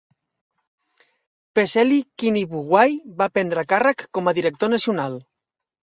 Peceli Kinivuwai va prendre càrrec com a director nacional.